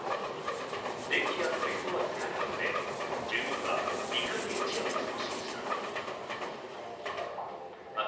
電気や水道は使えたため、住民は２階で一夜を過ごしました。